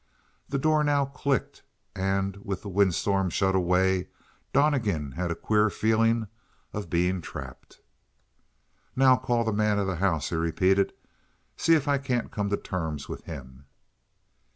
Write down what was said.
The door now clicked, and with the windstorm shut away Donnegan had a queer feeling of being trapped. "Now call the man of the house," he repeated. "See if I can't come to terms with him."